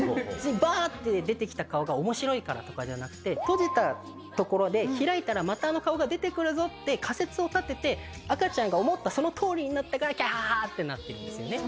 ばぁって出て来た顔が面白いからとかじゃなくて閉じたところで開いたらまたあの顔が出て来るぞって仮説を立てて赤ちゃんが思ったそのとおりになったからキャハハってなってるんですよね。